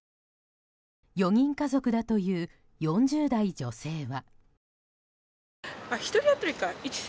４人家族だという４０代女性は。